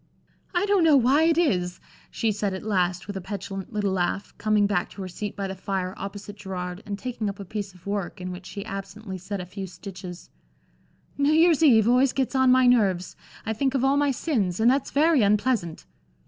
"I don't know why it is," she said at last with a petulant little laugh, coming back to her seat by the fire opposite Gerard, and taking up a piece of work, in which she absently set a few stitches, "New Year's Eve always gets on my nerves, I think of all my sins and that's very unpleasant!"